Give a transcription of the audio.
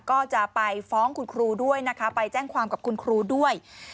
ก็จะไปฟ้องคุณครูด้วยนะคะไปแจ้งความกับคุณครูด้วย